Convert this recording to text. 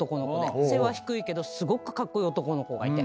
背は低いけどすごくカッコイイ男の子がいて。